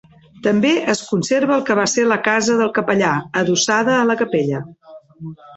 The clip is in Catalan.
També es conserva el que va ser la casa del capellà, adossada a la capella.